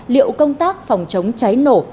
liệu công tác phòng chống cháy nổ